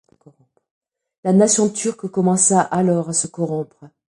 La nation turque commença alors à se corrompre.